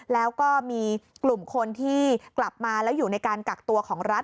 แล้วก็มีกลุ่มคนที่กลับมาแล้วอยู่ในการกักตัวของรัฐ